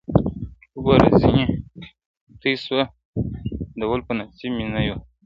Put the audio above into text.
اوگره ځيني توى سوه، ده ول په نصيب مي نه وه.